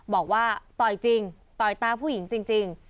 บอกว่าต่อยจริงต่อยตาผู้หญิงจริง